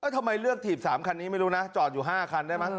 ทำไมเลือกถีบ๓คันนี้ไม่รู้นะจอดอยู่๕คันได้มั้